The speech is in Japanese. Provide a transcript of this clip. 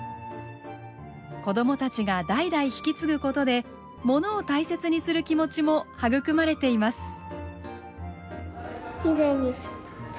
子供たちが代々引き継ぐことでものを大切にする気持ちも育まれています。